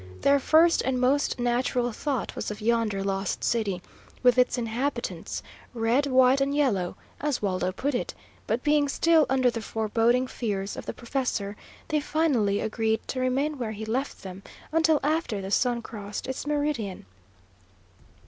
Their first and most natural thought was of yonder Lost City, with its inhabitants, red, white, and yellow, as Waldo put it; but being still under the foreboding fears of the professor, they finally agreed to remain where he left them until after the sun crossed its meridian.